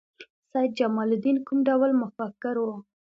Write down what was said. سید جمال الدین کوم ډول مفکر و؟